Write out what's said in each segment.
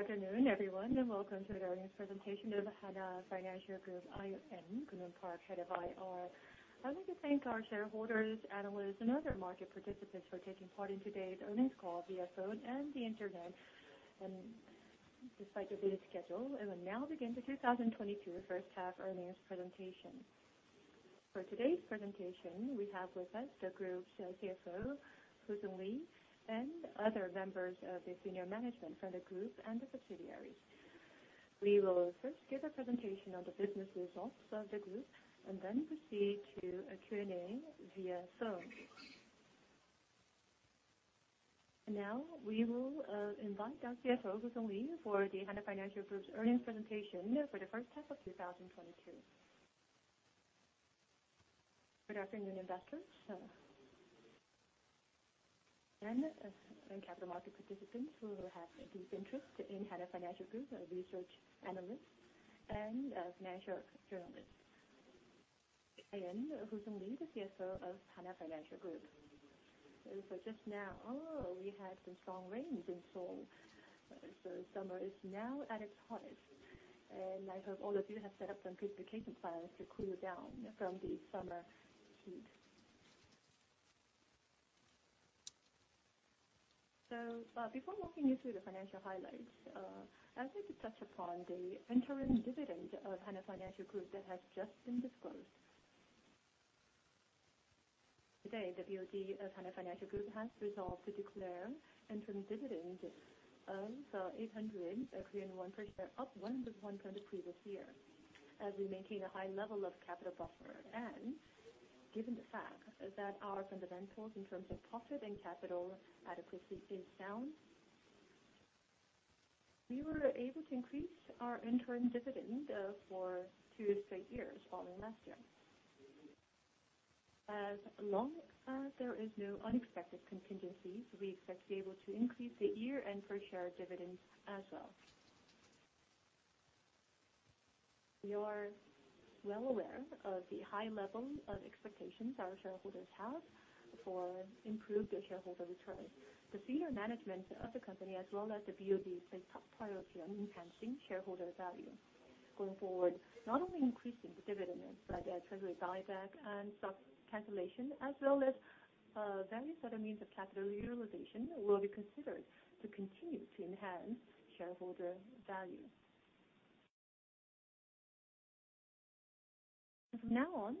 Good afternoon, everyone, and welcome to today's presentation of Hana Financial Group. I am Guen-hoon Park, Head of IR. I would like to thank our shareholders, analysts, and other market participants for taking part in today's earnings call via phone and the internet. Despite the busy schedule, we will now begin the 2022 H1 earnings presentation. For today's presentation, we have with us the group's CFO, Hoo-seung Lee, and other members of the senior management from the group and the subsidiaries. We will first give a presentation on the business results of the group, and then proceed to a Q&A via phone. Now, we will invite our CFO, Hoo-seung Lee, for the Hana Financial Group's earnings presentation for the H1 of 2022. Good afternoon, investors, and capital market participants who have deep interest in Hana Financial Group, our research analysts and financial journalists. I am Hoo-seung Lee, the CFO of Hana Financial Group. Just now, we had some strong rains in Seoul, so summer is now at its hottest, and I hope all of you have set up some good vacation plans to cool down from the summer heat. Before walking you through the financial highlights, I'd like to touch upon the interim dividend of Hana Financial Group that has just been disclosed. Today, the BOD of Hana Financial Group has resolved to declare interim dividend of KRW 800 per share, up 100 from the previous year. As we maintain a high level of capital buffer and given the fact that our fundamentals in terms of profit and capital adequacy is sound, we were able to increase our interim dividend for two straight years following last year. As long as there is no unexpected contingencies, we expect to be able to increase the year-end per-share dividends as well. We are well aware of the high level of expectations our shareholders have for improved shareholder returns. The senior management of the company as well as the BOD place top priority on enhancing shareholder value. Going forward, not only increasing the dividend, but treasury buyback and stock cancellation, as well as various other means of capital utilization will be considered to continue to enhance shareholder value. From now on,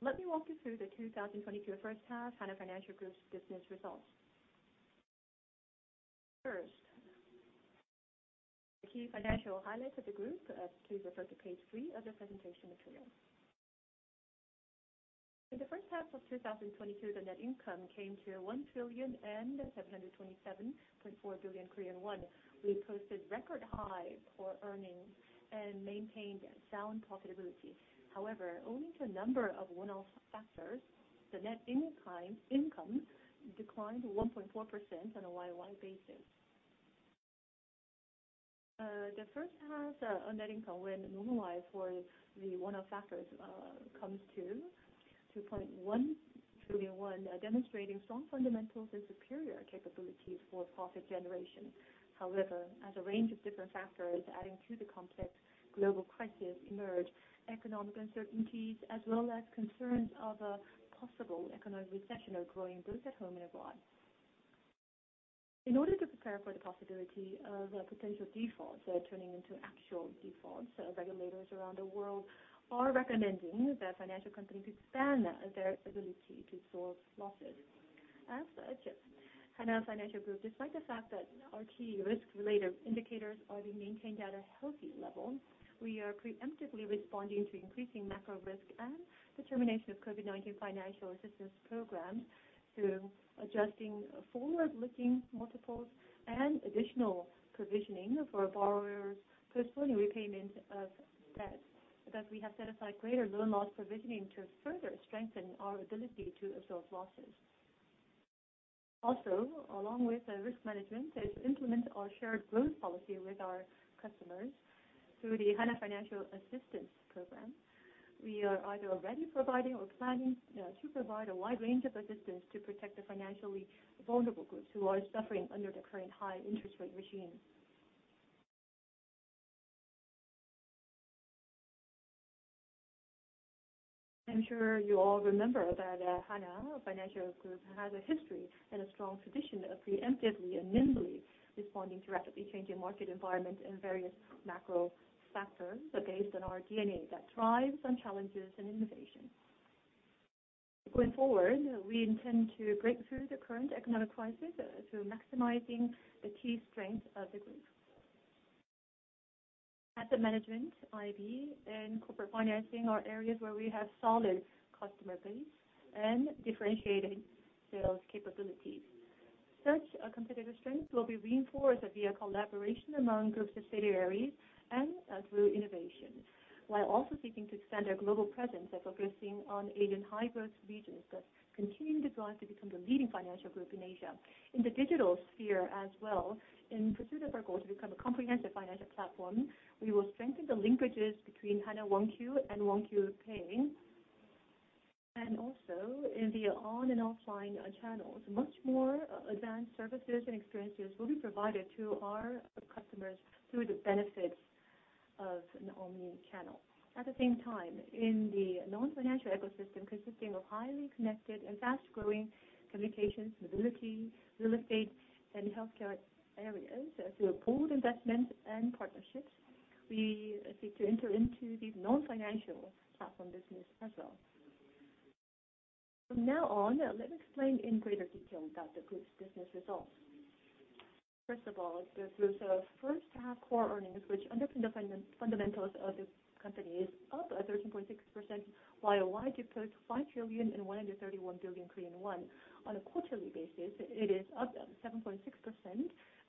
let me walk you through the 2022 H1 Hana Financial Group's business results. First, the key financial highlights of the group. Please refer to page three of the presentation material. In the H1 of 2022, the net income came to 1,727.4 billion Korean won. We posted record high core earnings and maintained sound profitability. However, owing to a number of one-off factors, the net income declined 1.4% on a YOY basis. The H1 net income when normalized for the one-off factors comes to 2.1 trillion, demonstrating strong fundamentals and superior capabilities for profit generation. However, as a range of different factors adding to the complex global crisis emerge, economic uncertainties as well as concerns of a possible economic recession are growing both at home and abroad. In order to prepare for the possibility of potential defaults turning into actual defaults, regulators around the world are recommending that financial companies expand their ability to absorb losses. As such, Hana Financial Group, despite the fact that our key risk-related indicators are being maintained at a healthy level, we are preemptively responding to increasing macro risk and the termination of COVID-19 financial assistance programs through adjusting forward-looking multiples and additional provisioning for borrowers postponing repayment of debt. Thus, we have set aside greater loan loss provisioning to further strengthen our ability to absorb losses. Also, along with the risk management is to implement our shared growth policy with our customers through the Hana Financial Assistance Program. We are either already providing or planning to provide a wide range of assistance to protect the financially vulnerable groups who are suffering under the current high interest rate regime. I'm sure you all remember that, Hana Financial Group has a history and a strong tradition of preemptively and nimbly responding to rapidly changing market environment and various macro factors based on our DNA that thrives on challenges and innovation. Going forward, we intend to break through the current economic crisis, through maximizing the key strength of the group. Asset management, IB, and corporate financing are areas where we have solid customer base and differentiating sales capabilities. Such a competitive strength will be reinforced via collaboration among group subsidiaries and, through innovation, while also seeking to extend our global presence by focusing on Asian high-growth regions that continue to strive to become the leading financial group in Asia. In the digital sphere as well, in pursuit of our goal to become a comprehensive financial platform, we will strengthen the linkages between Hana 1Q and 1Q Pay. Also in the online and offline channels, much more advanced services and experiences will be provided to our customers through the benefits of an omnichannel. At the same time, in the non-financial ecosystem consisting of highly connected and fast-growing communications, mobility, real estate, and healthcare areas, through pooled investments and partnerships, we seek to enter into these non-financial platform business as well. From now on, let me explain in greater detail about the group's business results. First of all, the group's H1 core earnings, which underpin the fundamentals of the company, is up 13.6% year-on-year to 5,131 billion Korean won. On a quarterly basis, it is up 7.6%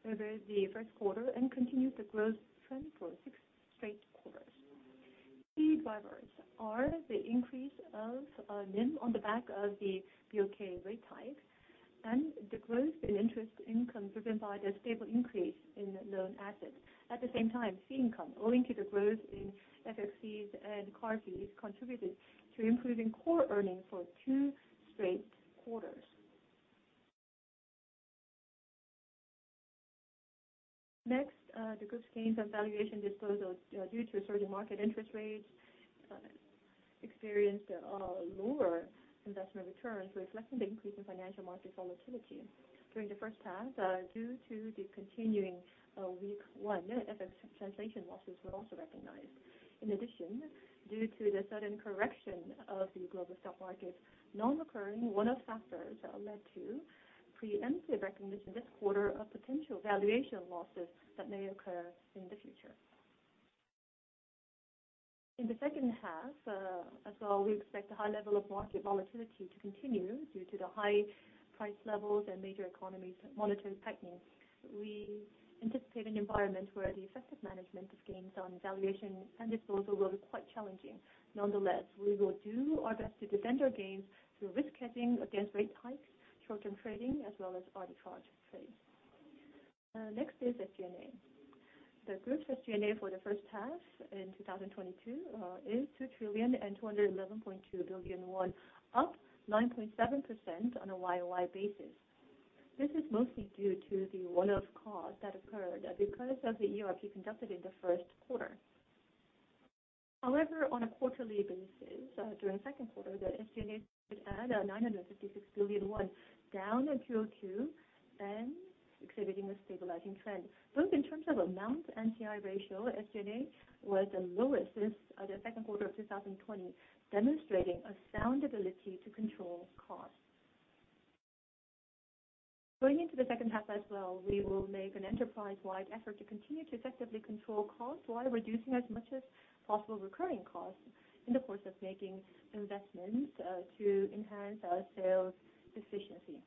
over the Q1 and continues the growth trend for six straight quarters. Key drivers are the increase of NIM on the back of the BOK rate hikes and the growth in interest income driven by the stable increase in loan assets. At the same time, fee income, owing to the growth in FX fees and card fees, contributed to improving core earnings for two straight quarters. Next, the group's gains on valuation disposal, due to certain market interest rates, experienced lower investment returns, reflecting the increase in financial market volatility. During the H1, due to the continuing weak won, FX translation losses were also recognized. In addition, due to the sudden correction of the global stock market, non-recurring one-off factors led to preemptive recognition this quarter of potential valuation losses that may occur in the future. In the H2, as well, we expect a high level of market volatility to continue due to the high price levels and major economies' monetary tightening. We anticipate an environment where the effective management of gains on valuation and disposal will be quite challenging. Nonetheless, we will do our best to defend our gains through risk hedging against rate hikes, short-term trading, as well as arbitrage trading. Next is SG&A. The group's SG&A for the H1 in 2022 is 2,211.2 billion won, up 9.7% on a YOY basis. This is mostly due to the one-off cost that occurred because of the ERP conducted in the Q1. However, on a quarterly basis, during Q2, the SG&A added KRW 956 billion, down on QOQ and exhibiting a stabilizing trend. Both in terms of amount and C/I ratio, SG&A was the lowest since the Q2 of 2020, demonstrating a sound ability to control costs. Going into the H2 as well, we will make an enterprise-wide effort to continue to effectively control costs while reducing as much as possible recurring costs in the course of making investments to enhance our sales efficiency.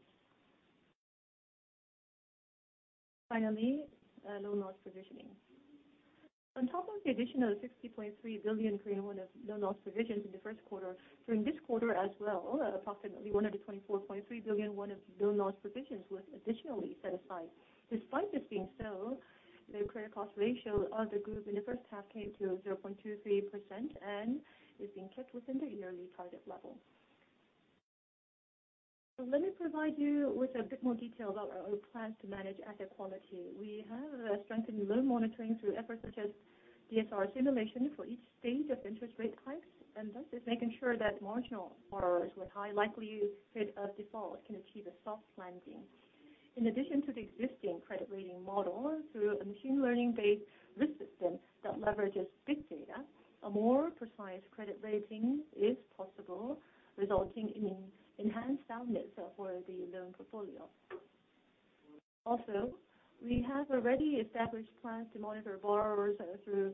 Finally, loan loss provisioning. On top of the additional 60.3 billion Korean won of loan loss provisions in the Q1, during this quarter as well, approximately 124.3 billion won of loan loss provisions was additionally set aside. Despite this being so, the credit cost ratio of the group in the H1 came to 0.23% and is being kept within the yearly target level. Let me provide you with a bit more detail about our plans to manage asset quality. We have strengthened loan monitoring through efforts such as DSR simulation for each stage of interest rate hikes, and thus is making sure that marginal borrowers with high likelihood of default can achieve a soft landing. In addition to the existing credit rating model, through a machine learning-based risk system that leverages big data, a more precise credit rating is possible, resulting in enhanced soundness for the loan portfolio. Also, we have already established plans to monitor borrowers through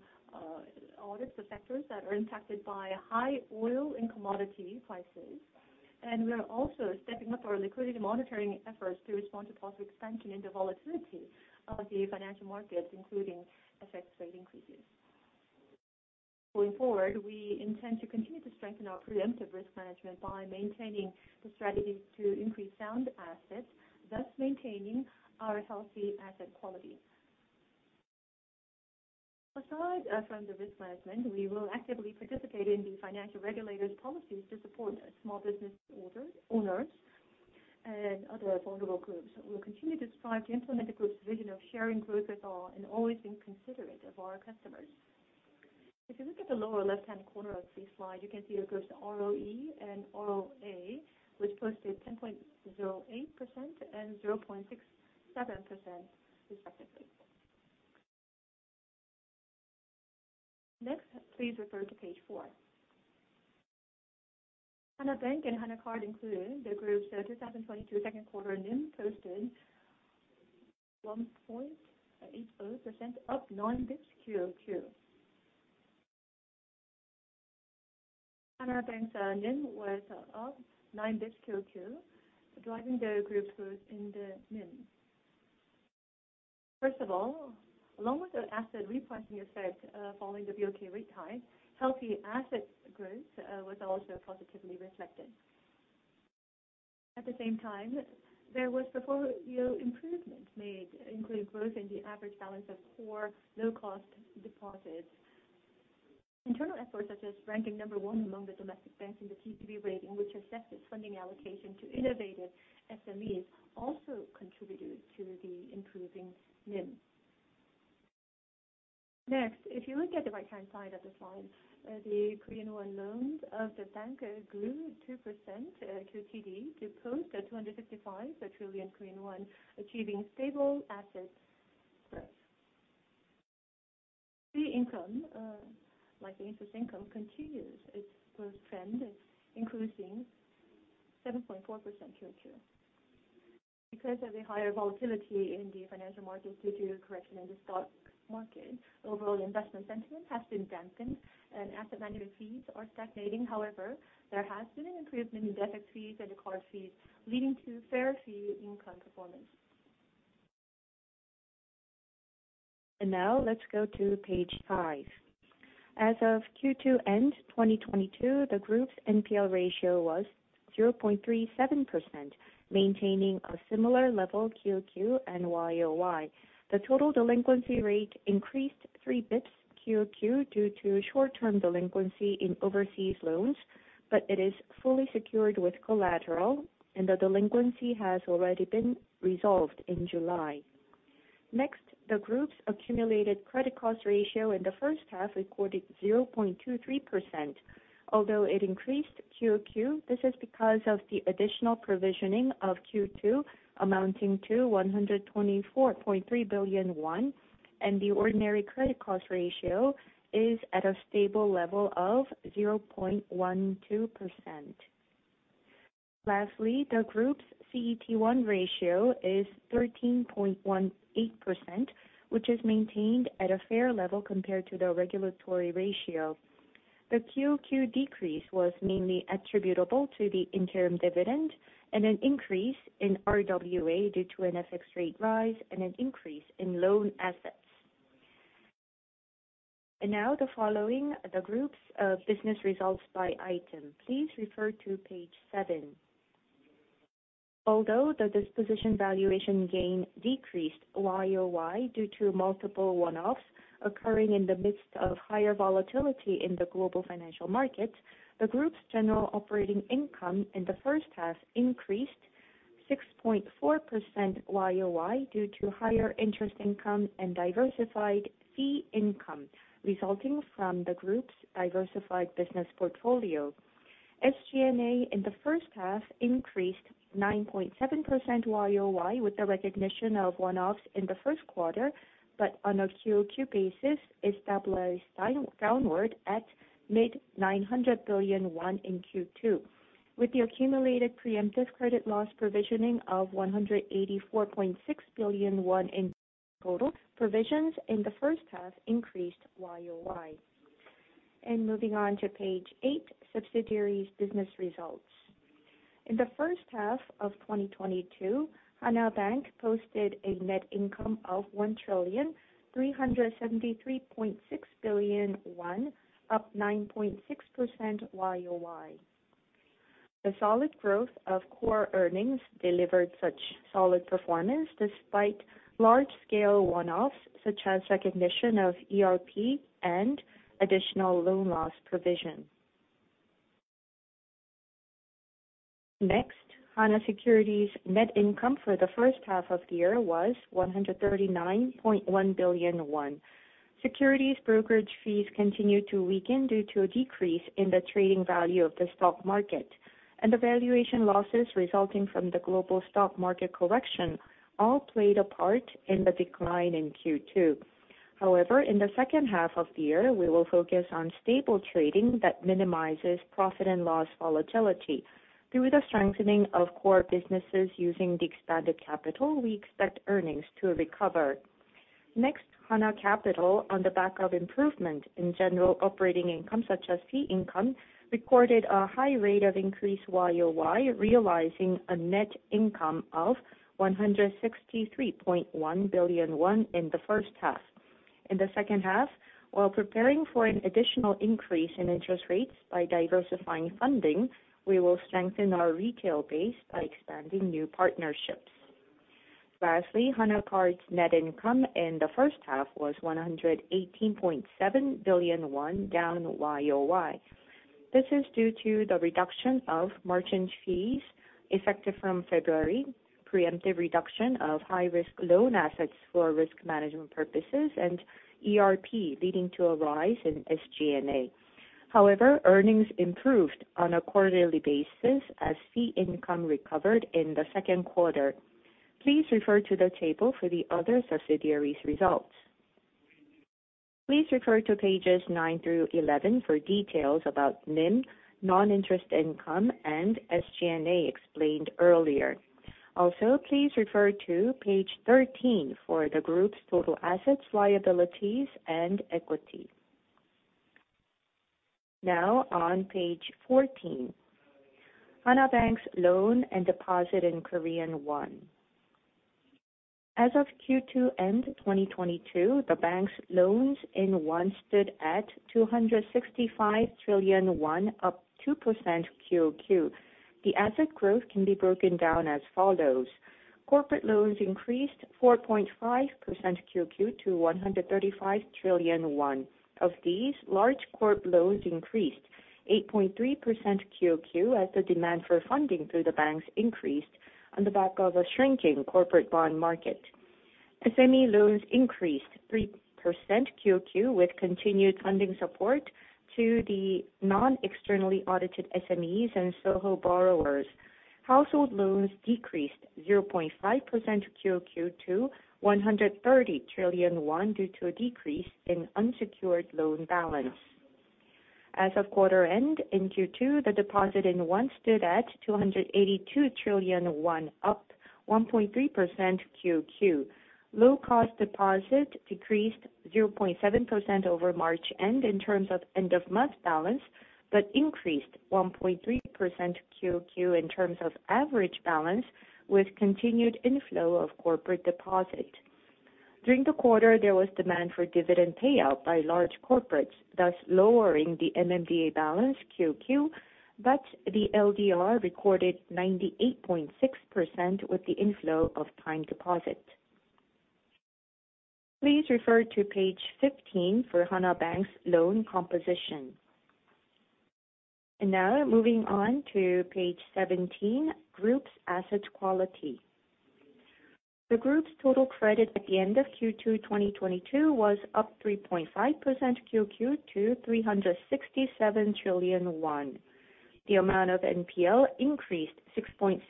audits of sectors that are impacted by high oil and commodity prices. We are also stepping up our liquidity monitoring efforts to respond to possible expansion in the volatility of the financial markets, including FX rate increases. Going forward, we intend to continue to strengthen our preemptive risk management by maintaining the strategies to increase sound assets, thus maintaining our healthy asset quality. Aside from the risk management, we will actively participate in the financial regulators' policies to support small business owners and other vulnerable groups. We'll continue to strive to implement the group's vision of sharing growth with all and always being considerate of our customers. If you look at the lower left-hand corner of the slide, you can see the group's ROE and ROA, which posted 10.08% and 0.67% respectively. Next, please refer to page four. Hana Bank and Hana Card included, the group's 2022 Q2 NIM posted 1.80%, up nine basis points QOQ. Hana Bank's NIM was up nine basis points QOQ, driving the group's growth in the NIM. First of all, along with the asset repricing effect, following the BOK rate hike, healthy asset growth was also positively reflected. At the same time, there was portfolio improvement made, including growth in the average balance of core low-cost deposits. Internal efforts such as ranking number one among the domestic banks in the TCB rating, which affects its funding allocation to innovative SMEs, also contributed to the improving NIM. Next, if you look at the right-hand side of the slide, the Korean won loans of the bank grew 2% QTD to post 255 trillion Korean won, achieving stable assets. Fee income, like the interest income, continues its growth trend, increasing 7.4% QOQ. Because of the higher volatility in the financial markets due to a correction in the stock market, overall investment sentiment has been dampened and asset management fees are stagnating. However, there has been an improvement in debit fees and card fees, leading to fair fee income performance. Now let's go to page five. As of Q2 end 2022, the group's NPL ratio was 0.37%, maintaining a similar level QOQ and YOY. The total delinquency rate increased three basis points QOQ due to short-term delinquency in overseas loans, but it is fully secured with collateral, and the delinquency has already been resolved in July. Next, the group's accumulated credit cost ratio in the H1 recorded 0.23%. Although it increased QOQ, this is because of the additional provisioning of Q2 amounting to 124.3 billion won, and the ordinary credit cost ratio is at a stable level of 0.12%. Lastly, the group's CET1 ratio is 13.18%, which is maintained at a fair level compared to the regulatory ratio. The QOQ decrease was mainly attributable to the interim dividend and an increase in RWA due to an FX rate rise and an increase in loan assets. Now the group's business results by item. Please refer to page seven. Although the disposition valuation gain decreased YOY due to multiple one-offs occurring in the midst of higher volatility in the global financial market, the group's general operating income in the H1 increased 6.4% YOY due to higher interest income and diversified fee income resulting from the group's diversified business portfolio. SG&A in the H1 increased 9.7% YOY with the recognition of one-offs in the Q1, but on a QOQ basis, was down at mid-900 billion KRW in Q2. With the accumulated preemptive credit loss provisioning of 184.6 billion won in total, provisions in the H1 increased YOY. Moving on to page eight, subsidiaries business results. In the H1 of 2022, Hana Bank posted a net income of 1,373.6 billion, up 9.6% YOY. The solid growth of core earnings delivered such solid performance despite large-scale one-offs, such as recognition of ERP and additional loan loss provision. Next, Hana Securities net income for the H1 of the year was 139.1 billion won. Securities brokerage fees continued to weaken due to a decrease in the trading value of the stock market, and the valuation losses resulting from the global stock market correction all played a part in the decline in Q2. However, in the H2 of the year, we will focus on stable trading that minimizes profit and loss volatility. Through the strengthening of core businesses using the expanded capital, we expect earnings to recover. Next, Hana Capital, on the back of improvement in general operating income such as fee income, recorded a high rate of increase YOY, realizing a net income of 163.1 billion won in the H1. In the H2, while preparing for an additional increase in interest rates by diversifying funding, we will strengthen our retail base by expanding new partnerships. Lastly, Hana Card's net income in the H1 was 118.7 billion won, down YOY. This is due to the reduction of merchant fees effective from February, preemptive reduction of high-risk loan assets for risk management purposes, and ERP leading to a rise in SG&A. However, earnings improved on a quarterly basis as fee income recovered in the Q2. Please refer to the table for the other subsidiaries' results. Please refer to pages 9 through 11 for details about NIM, non-interest income, and SG&A explained earlier. Also, please refer to page 13 for the group's total assets, liabilities, and equity. Now on page 14, Hana Bank's loans and deposits in KRW. As of Q2 end 2022, the bank's loans in KRW stood at 265 trillion won, up 2% QoQ. The asset growth can be broken down as follows. Corporate loans increased 4.5% QoQ to 135 trillion won. Of these, large corp loans increased 8.3% QoQ as the demand for funding through the banks increased on the back of a shrinking corporate bond market. SME loans increased 3% QoQ with continued funding support to the non-externally audited SMEs and SOHO borrowers. Household loans decreased 0.5% QoQ to 130 trillion won due to a decrease in unsecured loan balance. As of quarter end in Q2, the deposit in won stood at 282 trillion won, up 1.3% QoQ. Low-cost deposit decreased 0.7% over March end in terms of end of month balance, but increased 1.3% QoQ in terms of average balance with continued inflow of corporate deposit. During the quarter, there was demand for dividend payout by large corporates, thus lowering the MMDA balance QoQ, but the LDR recorded 98.6% with the inflow of time deposit. Please refer to page 15 for Hana Bank's loan composition. Now moving on to page 17, group's asset quality. The group's total credit at the end of Q2 2022 was up 3.5% QoQ to 367 trillion won. The amount of NPL increased 6.6%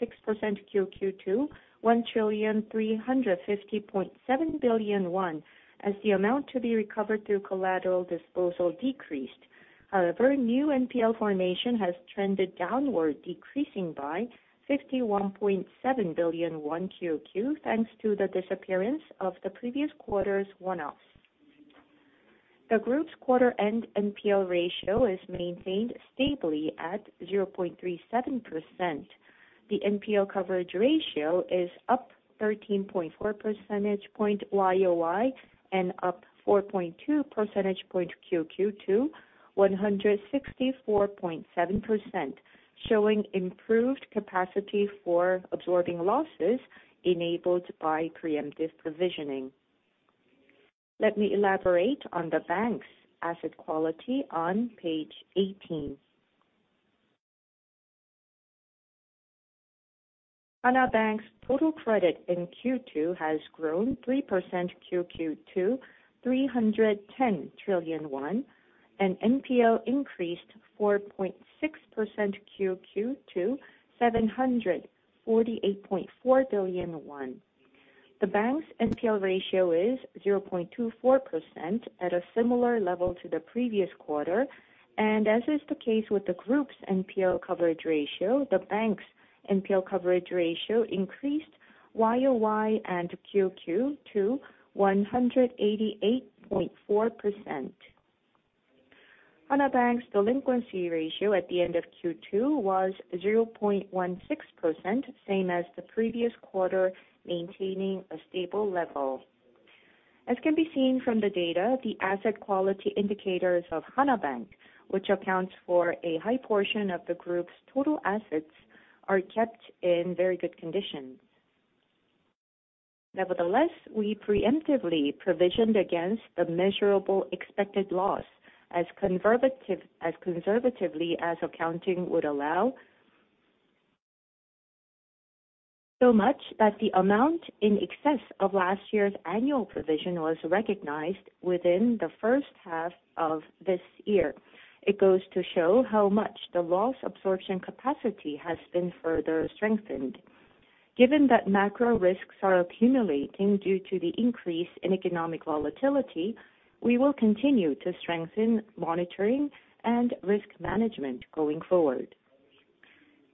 QoQ to 1,350.7 billion won, as the amount to be recovered through collateral disposal decreased. However, new NPL formation has trended downward, decreasing by 51.7 billion won QoQ, thanks to the disappearance of the previous quarter's one-offs. The group's quarter-end NPL ratio is maintained stably at 0.37%. The NPL coverage ratio is up 13.4 percentage points YoY and up 4.2 percentage points QoQ to 164.7%, showing improved capacity for absorbing losses enabled by preemptive provisioning. Let me elaborate on the bank's asset quality on page 18. Hana Bank's total credit in Q2 has grown 3% QoQ to 310 trillion won, and NPL increased 4.6% QoQ to 748.4 billion won. The bank's NPL ratio is 0.24% at a similar level to the previous quarter. As is the case with the group's NPL coverage ratio, the bank's NPL coverage ratio increased YoY and QoQ to 188.4%. Hana Bank's delinquency ratio at the end of Q2 was 0.16%, same as the previous quarter, maintaining a stable level. As can be seen from the data, the asset quality indicators of Hana Bank, which accounts for a high portion of the group's total assets, are kept in very good condition. Nevertheless, we preemptively provisioned against the measurable expected loss as conservatively as accounting would allow so much that the amount in excess of last year's annual provision was recognized within the H1 of this year. It goes to show how much the loss absorption capacity has been further strengthened. Given that macro risks are accumulating due to the increase in economic volatility, we will continue to strengthen monitoring and risk management going forward.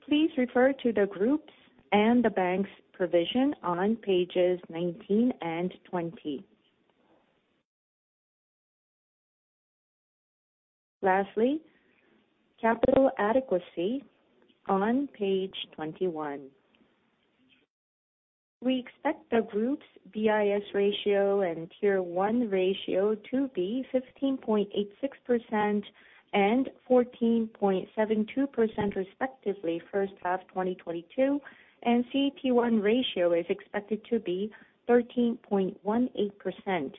Please refer to the group's and the bank's provision on pages 19 and 20. Lastly, capital adequacy on page 21. We expect the group's BIS ratio and Tier 1 ratio to be 15.86% and 14.72% respectively H1 2022, and CET1 ratio is expected to be 13.18%.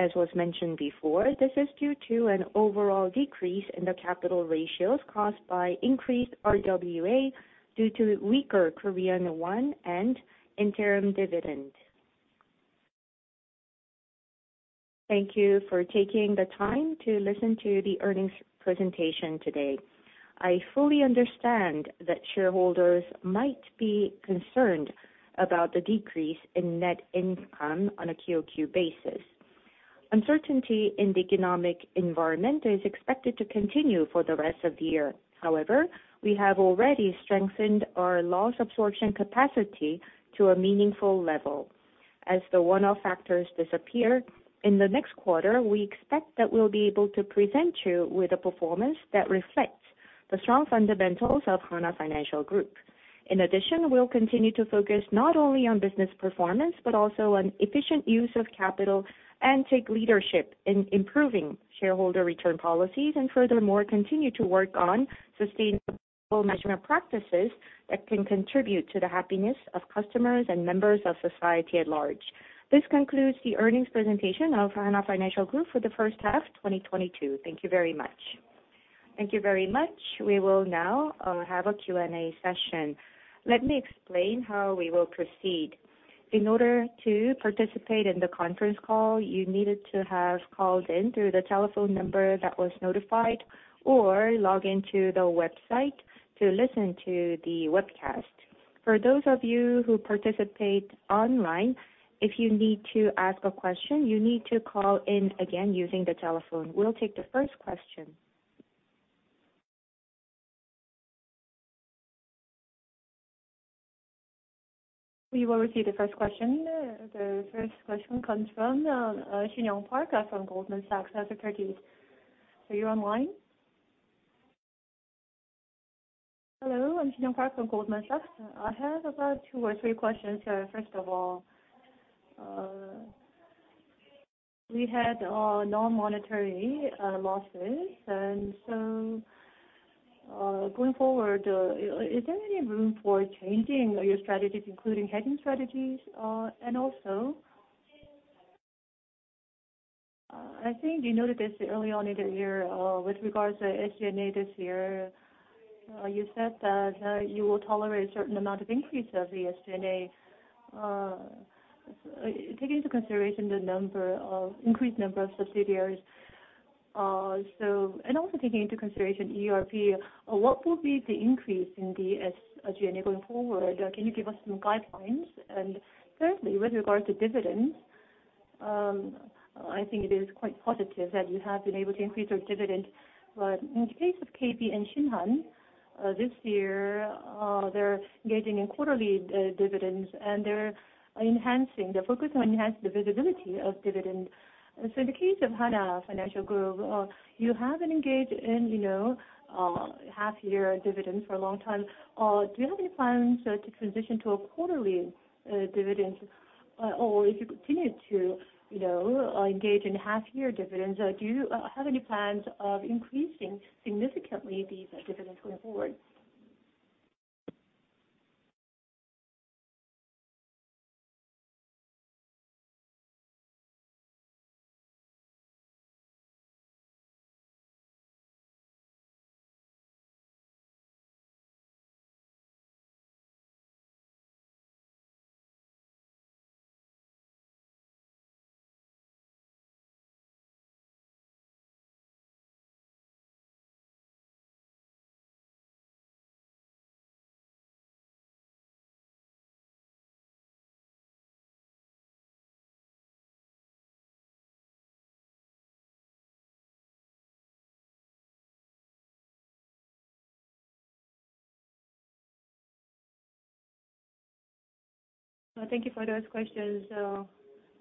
As was mentioned before, this is due to an overall decrease in the capital ratios caused by increased RWA due to weaker Korean won and interim dividend. Thank you for taking the time to listen to the earnings presentation today. I fully understand that shareholders might be concerned about the decrease in net income on a QoQ basis. Uncertainty in the economic environment is expected to continue for the rest of the year. However, we have already strengthened our loss absorption capacity to a meaningful level. As the one-off factors disappear in the next quarter, we expect that we'll be able to present you with a performance that reflects. The strong fundamentals of Hana Financial Group. In addition, we'll continue to focus not only on business performance, but also on efficient use of capital and take leadership in improving shareholder return policies, and furthermore, continue to work on sustainable measurement practices that can contribute to the happiness of customers and members of society at large. This concludes the earnings presentation of Hana Financial Group for the H1 2022. Thank you very much. Thank you very much. We will now have a Q&A session. Let me explain how we will proceed. In order to participate in the conference call, you needed to have called in through the telephone number that was notified or log in to the website to listen to the webcast. For those of you who participate online, if you need to ask a question, you need to call in again using the telephone. We'll take the first question. We will receive the first question. The first question comes from Sinyoung Park from Goldman Sachs as a target. Are you online? Hello, I'm Sinyoung Park from Goldman Sachs. I have about two or three questions here. First of all, we had non-monetary losses, and so going forward, is there any room for changing your strategies, including hedging strategies? Also, I think you noted this early on in the year, with regards to SG&A this year, you said that you will tolerate a certain amount of increase of the SG&A, taking into consideration increased number of subsidiaries, also taking into consideration ERP, what will be the increase in SG&A going forward? Can you give us some guidelines? Thirdly, with regard to dividends, I think it is quite positive that you have been able to increase your dividend. But in the case of KB and Shinhan, this year, they're engaging in quarterly dividends, and they're focused on enhancing the visibility of dividend. In the case of Hana Financial Group, you haven't engaged in, you know, half-year dividend for a long time. Do you have any plans to transition to a quarterly dividend? Or if you continue to, you know, engage in half-year dividends, do you have any plans of increasing significantly the dividend going forward? Thank you for those questions.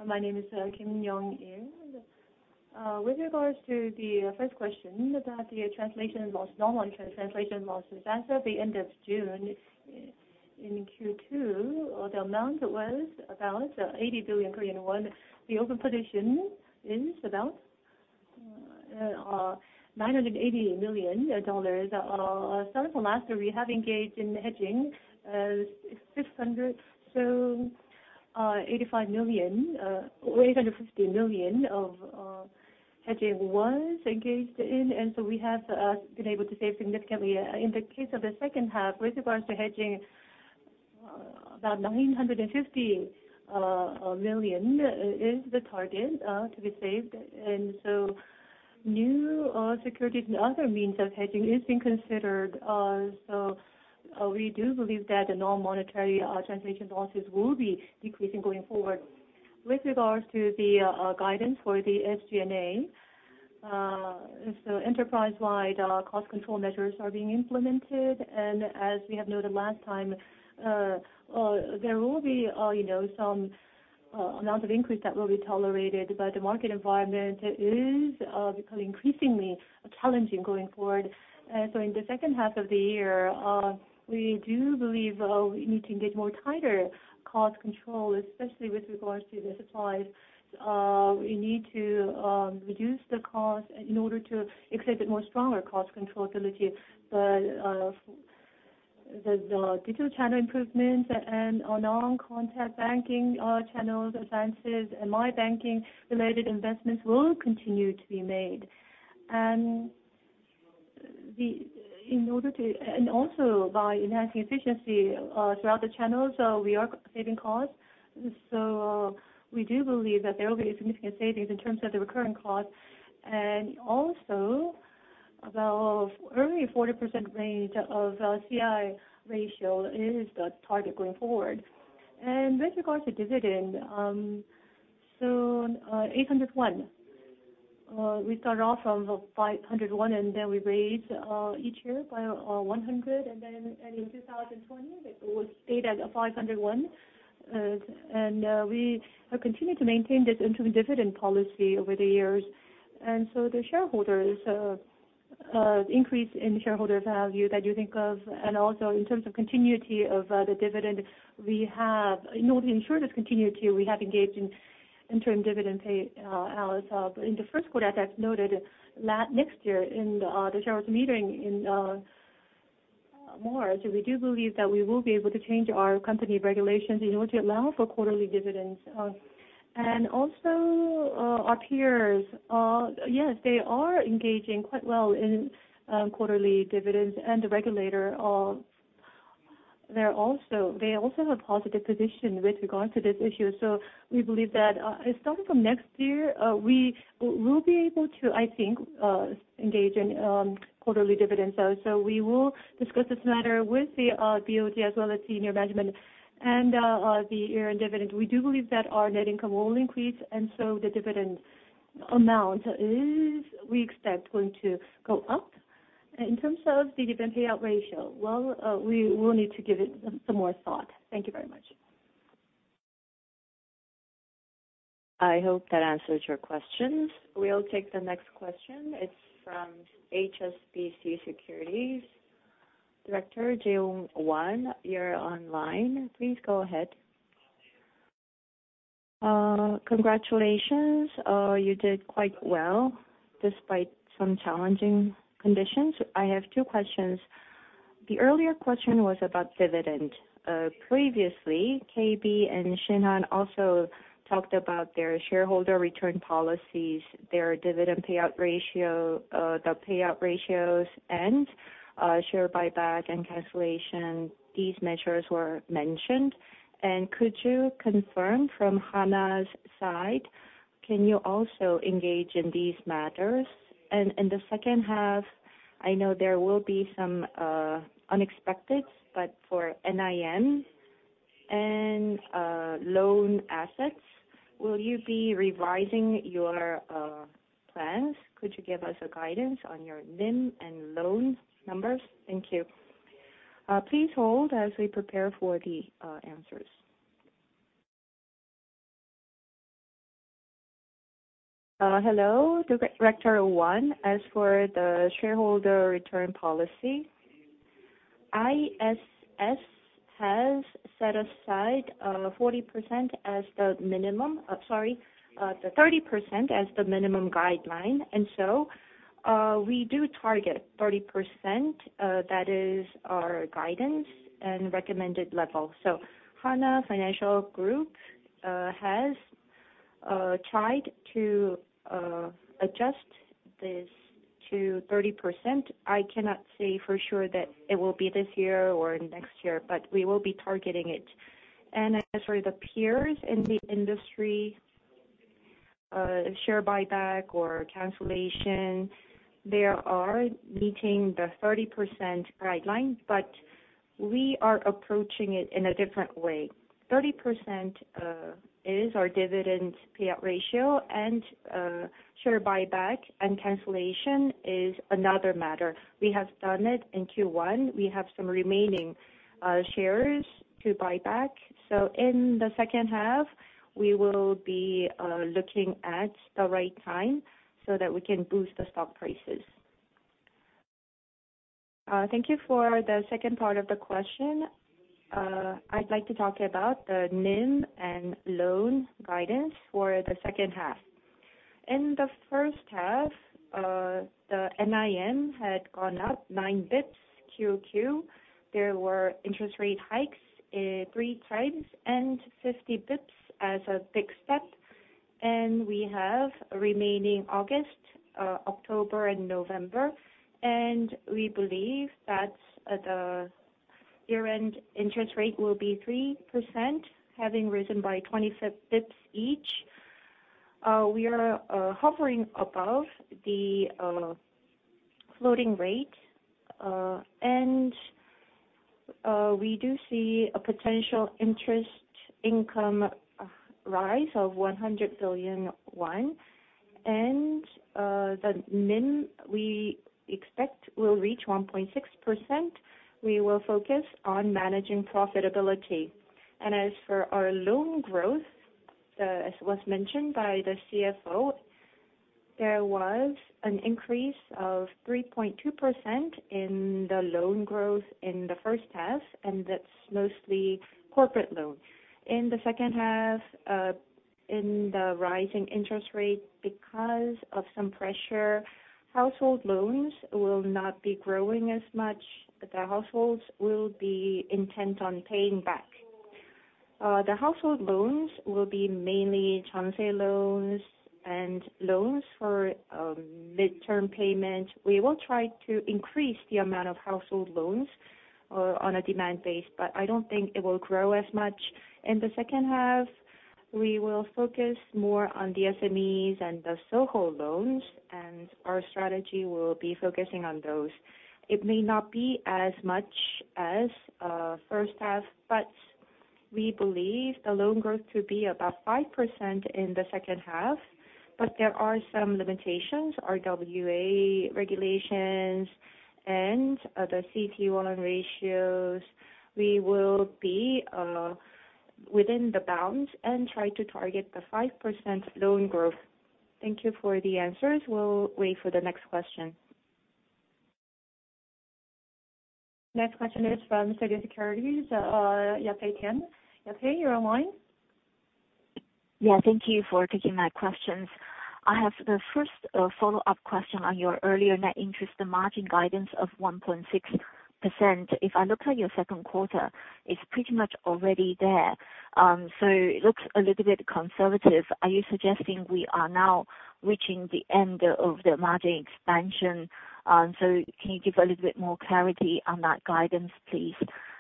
My name is Kim Yong-in. With regards to the first question about the translation loss, non-monetary translation losses, as of the end of June in Q2, the amount was about 80 billion Korean won. The open position is about $980 million. Starting from last year, we have engaged in hedging, eight hundred and fifty million of hedging was engaged in, and so we have been able to save significantly. In the case of the H2, with regards to hedging, about nine hundred and fifty million is the target to be saved. New securities and other means of hedging is being considered. We do believe that the non-monetary translation losses will be decreasing going forward. With regards to the guidance for the SG&A, so enterprise-wide cost control measures are being implemented. As we have noted last time, there will be, you know, some amount of increase that will be tolerated, but the market environment is becoming increasingly challenging going forward. In the H2 of the year, we do believe we need to engage more tighter cost control, especially with regards to the supplies. We need to reduce the cost in order to exhibit more stronger cost control ability. The digital channel improvements and our non-contact banking channels advances and mobile banking related investments will continue to be made. By enhancing efficiency throughout the channels, we are saving costs. We do believe that there will be significant savings in terms of the recurring costs. Also about early 40% range of C/I ratio is the target going forward. With regards to dividend, 800. We started off of 500, and then we raised each year by 100, and then in 2020, it was stayed at 500. We have continued to maintain this interim dividend policy over the years. The shareholders increase in shareholder value that you think of, and also in terms of continuity of the dividend we have, in order to ensure this continuity, we have engaged in interim dividend payments. In the Q1, that's noted later next year in the shareholders meeting in March. We do believe that we will be able to change our company regulations in order to allow for quarterly dividends. Our peers, they are engaging quite well in quarterly dividends. The regulator, they also have a positive position with regard to this issue. We believe that, starting from next year, we will be able to, I think, engage in quarterly dividends. We will discuss this matter with the BOD as well as senior management. The year-end dividend, we do believe that our net income will increase, and so the dividend amount is, we expect, going to go up. In terms of the dividend payout ratio, well, we will need to give it some more thought. Thank you very much. I hope that answers your questions. We'll take the next question. It's from HSBC Securities, Director Jeong Won, you're online. Please go ahead. Congratulations. You did quite well despite some challenging conditions. I have two questions. The earlier question was about dividend. Previously, KB and Shinhan also talked about their shareholder return policies, their dividend payout ratio, the payout ratios and, share buyback and cancellation. These measures were mentioned. Could you confirm from Hana's side, can you also engage in these matters? In the H2, I know there will be some unexpected, but for NIM and loan assets, will you be revising your plans? Could you give us guidance on your NIM and loan numbers? Thank you. Please hold as we prepare for the answers. Hello, Director Jeong Won. As for the shareholder return policy, ISS has set aside 30% as the minimum guideline. We do target 30%, that is our guidance and recommended level. Hana Financial Group has tried to adjust this to 30%. I cannot say for sure that it will be this year or next year, but we will be targeting it. As for the peers in the industry, share buyback or cancellation, they are meeting the 30% guideline, but we are approaching it in a different way. 30% is our dividend payout ratio, and share buyback and cancellation is another matter. We have done it in Q1. We have some remaining shares to buy back. In the H2, we will be looking at the right time so that we can boost the stock prices. Thank you for the second part of the question. I'd like to talk about the NIM and loan guidance for the H2. In the H1, the NIM had gone up nine bps QOQ. There were interest rate hikes 3 times and 50 bps as a big step. We have remaining August, October and November. We believe that the year-end interest rate will be 3%, having risen by 25 bps each. We are hovering above the floating rate, and we do see a potential interest income rise of 100 billion won. The NIM we expect will reach 1.6%. We will focus on managing profitability. As for our loan growth, as was mentioned by the CFO, there was an increase of 3.2% in the loan growth in the H1, and that's mostly corporate loans. In the H2, in the rising interest rate because of some pressure, household loans will not be growing as much. The households will be intent on paying back. The household loans will be mainly Jeonse loans and loans for midterm payment. We will try to increase the amount of household loans, on a demand basis, but I don't think it will grow as much. In the H2, we will focus more on the SMEs and the SOHO loans, and our strategy will be focusing on those. It may not be as much as H1, but we believe the loan growth to be about 5% in the H2. There are some limitations, RWA regulations and the C/I loan ratios. We will be within the bounds and try to target the 5% loan growth. Thank you for the answers. We'll wait for the next question. Next question is from Citigroup Securities, Yafei Tian. Yafei, you're online. Yeah, thank you for taking my questions. I have the first follow-up question on your earlier net interest margin guidance of 1.6%. If I look at your Q2, it's pretty much already there, so it looks a little bit conservative. Are you suggesting we are now reaching the end of the margin expansion? So can you give a little bit more clarity on that guidance, please?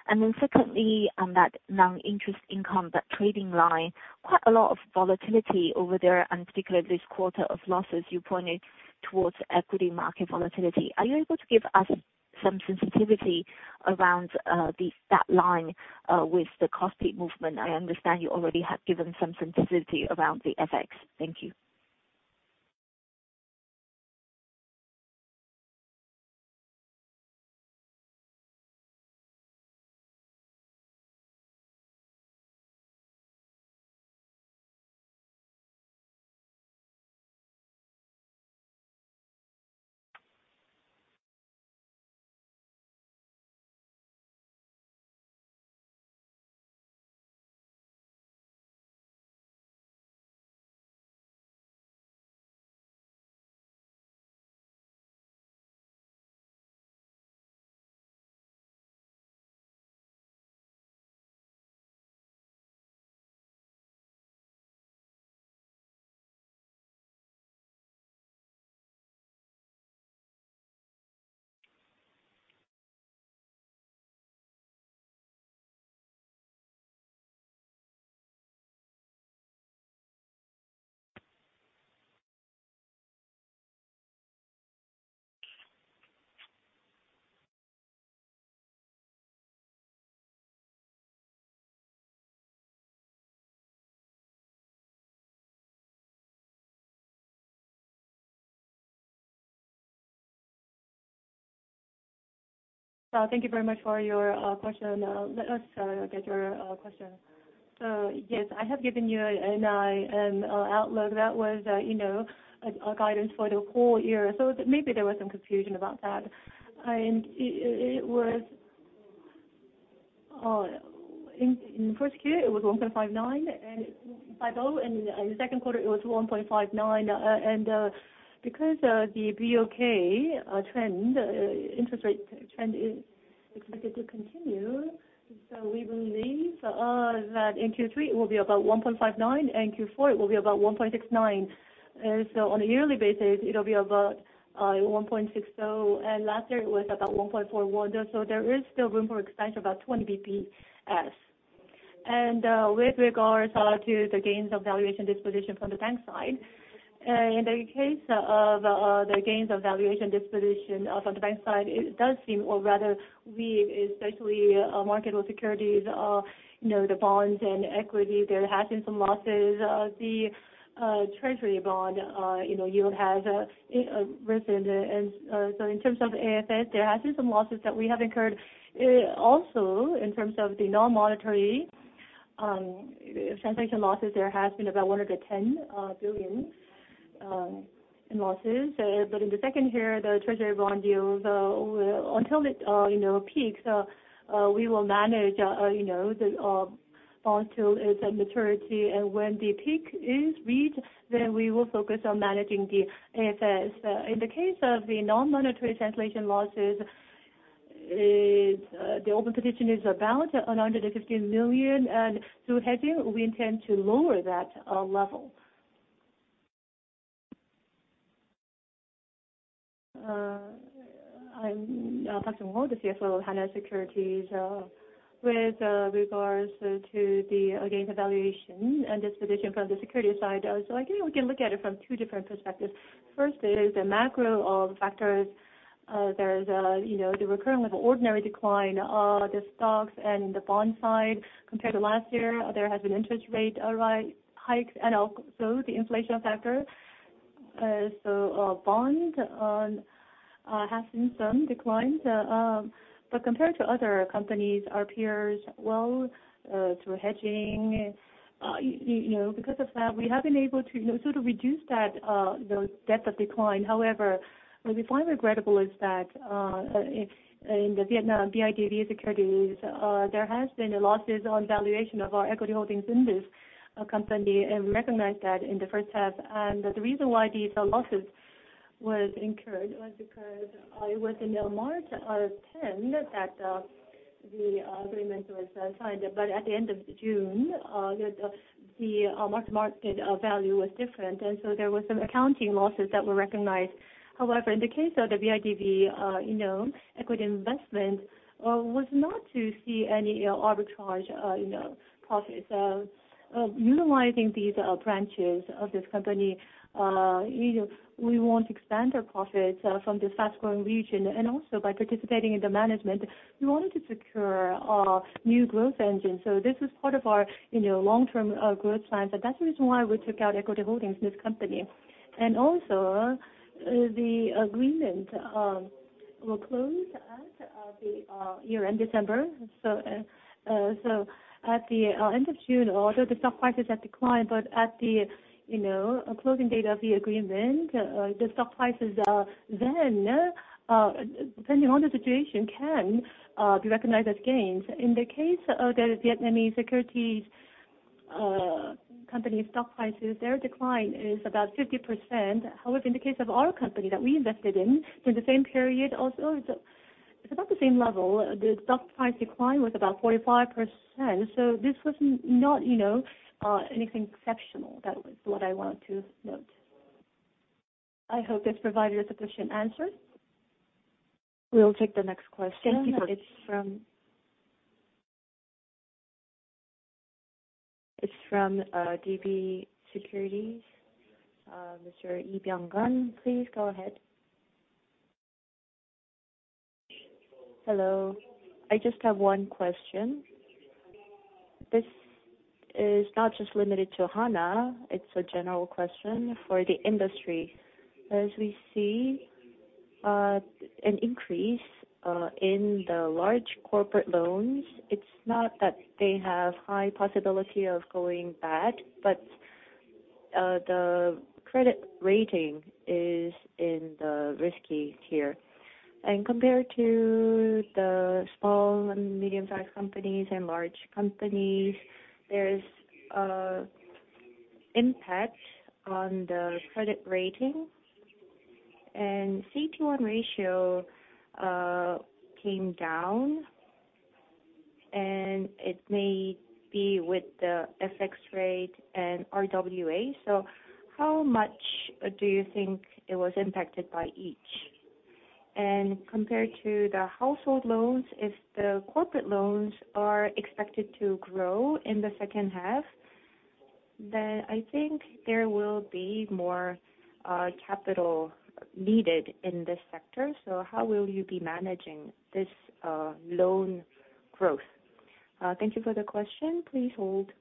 And then secondly, on that non-interest income, that trading line, quite a lot of volatility over there, and particularly this quarter of losses you pointed towards equity market volatility. Are you able to give us some sensitivity around that line with the KOSPI movement? I understand you already have given some sensitivity around the FX. Thank you. Thank you very much for your question. Let us get your question. Yes, I have given you an idea and outlook that was, you know, a guidance for the whole year. Maybe there was some confusion about that. It was in the Q1, it was 1.59%, and, by the way, in the Q2, it was 1.59%. Because the BOK interest rate trend is expected to continue, we believe that in Q3 it will be about 1.59%, and Q4 it will be about 1.69%. On a yearly basis, it'll be about 1.60%, and last year it was about 1.41%. There is still room for expansion, about 20 BPS. With regards to the gains of valuation disposition from the bank side, in the case of the gains of valuation disposition from the bank side, it does seem or rather we've especially mark-to-market securities, you know, the bonds and equity, there has been some losses. The treasury bond yield has risen. In terms of AFS, there has been some losses that we have incurred. Also in terms of the non-monetary translation losses, there has been about 110 billion in losses. But in the second year, the treasury bond yields until it peaks, we will manage the bond till its maturity. When the peak is reached, then we will focus on managing the AFS. In the case of the non-monetary translation losses, the open position is about 150 million. Through hedging, we intend to lower that level. I'm Park Sung-ho, the CFO of Hana Securities. With regards to the gains evaluation and disposition from the securities side, so I think we can look at it from two different perspectives. First is the macro factors. There's a, you know, the recurring of ordinary decline, the stocks and the bond side compared to last year, there has been interest rate hikes, and also the inflation factor. So, bond has seen some declines. Compared to other companies, our peers, through hedging, you know, because of that, we have been able to, you know, sort of reduce that, the depth of decline. However, what we find regrettable is that, in Vietnam, BIDV Securities, there has been losses on valuation of our equity holdings in this company, and we recognized that in the H1. The reason why these losses was incurred was because, it was in March tenth that, the agreement was signed. At the end of June, the market value was different. There was some accounting losses that were recognized. However, in the case of the BIDV, you know, equity investment, was not to see any, arbitrage, you know, profits. Utilizing these branches of this company, you know, we want to expand our profits from this fast-growing region. By participating in the management, we wanted to secure new growth engines. This is part of our, you know, long-term growth plans, and that's the reason why we took out equity holdings in this company. Also The agreement will close at the year-end December. At the end of June, although the stock prices have declined, but at the, you know, closing date of the agreement, the stock prices are then, depending on the situation, can be recognized as gains. In the case of the Vietnamese securities company stock prices, their decline is about 50%. However, in the case of our company that we invested in, during the same period also, it's about the same level. The stock price decline was about 45%, so this was not, you know, anything exceptional. That was what I wanted to note. I hope this provided sufficient answer. We'll take the next question. Thank you for. It's from DB Securities. Mr. Lee Byung-gun, please go ahead. Hello. I just have one question. This is not just limited to Hana, it's a general question for the industry. As we see an increase in the large corporate loans, it's not that they have high possibility of going bad, but the credit rating is in the risky tier. Compared to the small and medium-sized companies and large companies, there is an impact on the credit rating. CET1 ratio came down, and it may be with the FX rate and RWA. How much do you think it was impacted by each? Compared to the household loans, if the corporate loans are expected to grow in the H2, then I think there will be more capital needed in this sector. How will you be managing this loan growth? Thank you for the question. Please hold.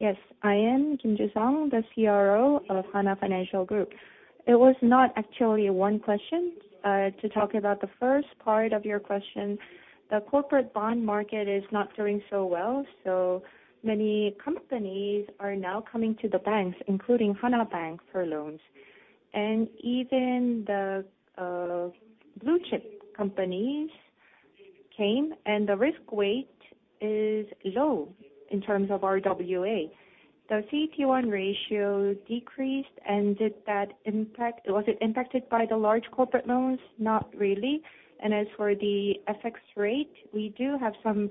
Yes, I am Kim Ju-Seong, the CRO of Hana Financial Group. It was not actually one question. To talk about the first part of your question, the corporate bond market is not doing so well, so many companies are now coming to the banks, including Hana Bank, for loans. Even the blue chip companies came, and the risk weight is low in terms of RWA. The CET1 ratio decreased and was it impacted by the large corporate loans? Not really. As for the FX rate, we do have some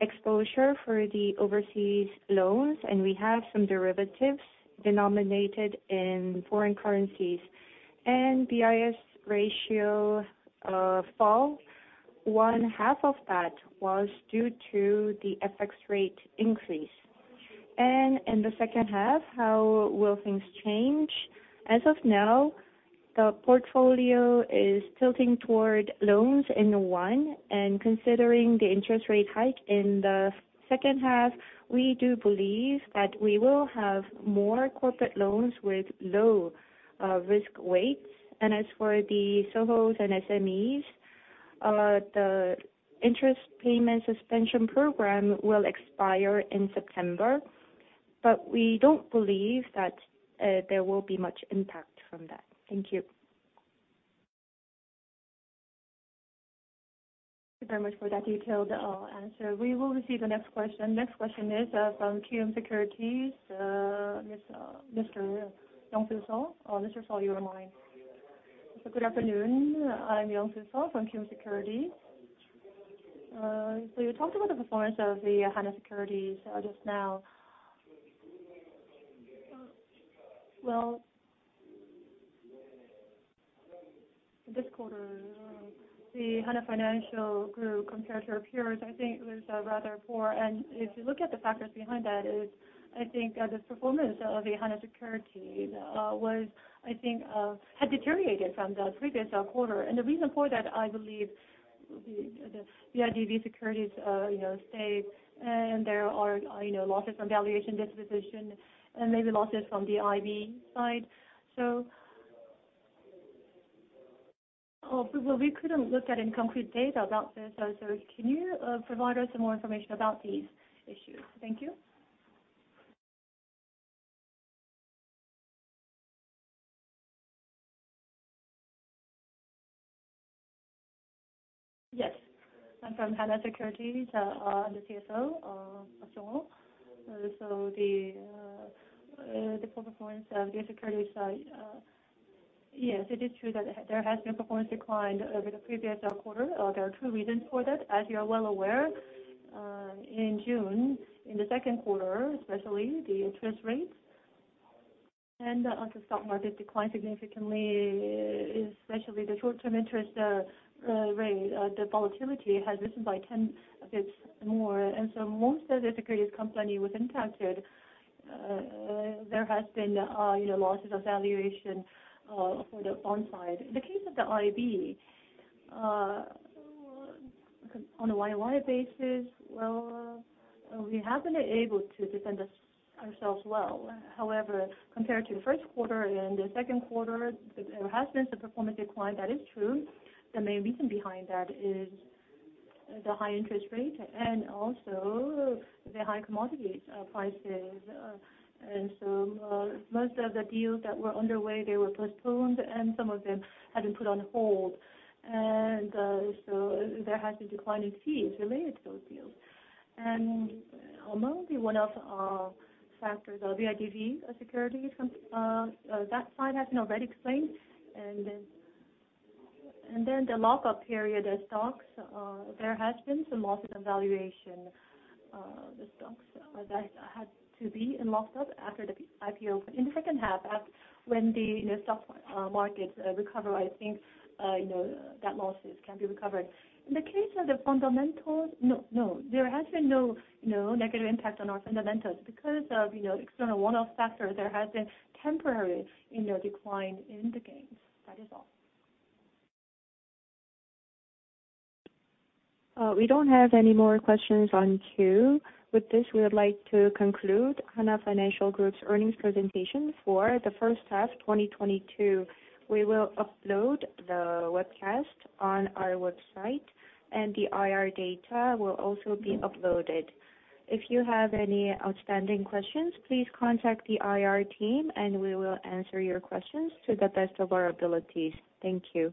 exposure for the overseas loans, and we have some derivatives denominated in foreign currencies. BIS ratio fall, one half of that was due to the FX rate increase. In the H2, how will things change? As of now, the portfolio is tilting toward loans in one, and considering the interest rate hike in the H2, we do believe that we will have more corporate loans with low risk weights. As for the SOHOs and SMEs, the interest payment suspension program will expire in September, but we don't believe that there will be much impact from that. Thank you. Thank you very much for that detailed answer. We will receive the next question. Next question is from KB Securities, Mr. Yong-su Sol. Mr. Sol, you are on line. Good afternoon. I'm Yong-du Sol from KB Securities. You talked about the performance of the Hana Securities just now. Well, this quarter, the Hana Financial Group compared to our peers, I think it was rather poor. If you look at the factors behind that is, I think, the performance of the Hana Securities had deteriorated from the previous quarter. The reason for that, I believe the BIDV Securities, you know, stake and there are, you know, losses from valuation disposition and maybe losses from the IB side. We couldn't look at any concrete data about this. Can you provide us some more information about these issues? Thank you. Yes. I'm from Hana Securities, the CSO, Seong-muk Kang. The poor performance of the securities side, yes, it is true that there has been a performance decline over the previous quarter. There are two reasons for that. As you are well aware, in June, in the Q2 especially, the interest rates. The stock market declined significantly, especially the short-term interest rate. The volatility has risen by 10 bps more. Most of the securities companies were impacted. There have been, you know, losses of valuation for the onshore. In the case of the IB, on a YOY basis, well, we haven't been able to defend ourselves well. However, compared to the Q1 and the Q2, there has been some performance decline. That is true. The main reason behind that is the high interest rate and also the high commodity prices. Most of the deals that were underway were postponed, and some of them have been put on hold. There has been a decline in fees related to those deals. Among the one-off factors are BIDV Securities from that side has been already explained. Then the lockup period of stocks, there has been some losses in valuation. The stocks that had to be in lockup after the IPO. In the H2, when the, you know, stock markets recover, I think, you know, that losses can be recovered. In the case of the fundamentals, no, there has been no, you know, negative impact on our fundamentals. Because of, you know, external one-off factors, there has been temporary, you know, decline in the gains. That is all. We don't have any more questions in queue. With this, we would like to conclude Hana Financial Group's earnings presentation for the H1 2022. We will upload the webcast on our website, and the IR data will also be uploaded. If you have any outstanding questions, please contact the IR team and we will answer your questions to the best of our abilities. Thank you.